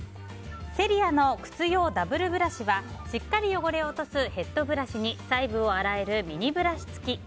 セリアの靴用ダブルブラシはしっかり汚れを落とすヘッドブラシに細部を洗えるミニブラシ付き。